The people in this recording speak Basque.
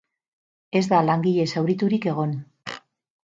Ez da langile zauriturik egon.